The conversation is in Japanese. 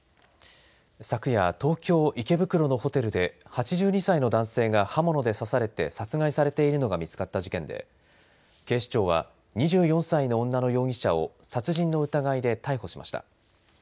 昨夜、東京・池袋のホテルで８２歳の男性が刃物で刺されて殺害されているのが見つかった事件で警視庁は２４歳の女の容疑者を殺人の疑いで逮捕しました。